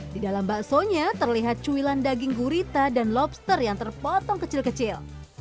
di dalam baksonya terlihat cuilan daging gurita dan lobster yang terpotong kecil kecil